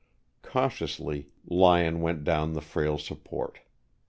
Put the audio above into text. Cautiously Lyon went down the frail support.